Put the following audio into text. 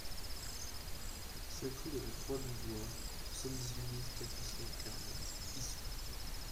cinq rue de la Croix Mi Voie, soixante-dix-huit mille quatre cent quarante Issou